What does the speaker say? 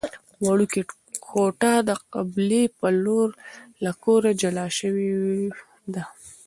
وړوکې کوټه د قبلې په لور له کوره جلا جوړه شوې ده.